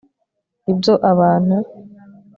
ibyo abantu